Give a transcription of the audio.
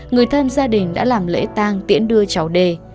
người thân gia đình đã làm lễ tăng tiễn đưa cháu đê